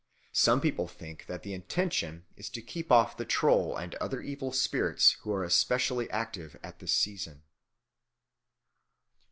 Some people think that the intention is to keep off the Troll and other evil spirits who are especially active at this season.